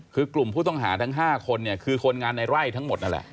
คือกลุ่มผู้ต้องหาทั้ง๕คนเนี่ยคือคนงานในไร่ทั้งหมดนั่นแหละ